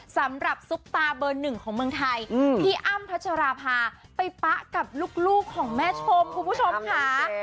ซุปตาเบอร์หนึ่งของเมืองไทยพี่อ้ำพัชราภาไปปะกับลูกของแม่ชมคุณผู้ชมค่ะ